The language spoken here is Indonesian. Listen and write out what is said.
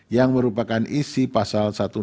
yang merupakan isi pasal satu ratus enam puluh